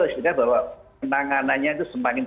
istilah bahwa penanganannya itu semakin